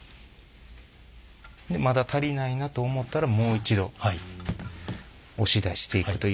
でまだ足りないなと思ったらもう一度押し出していくという。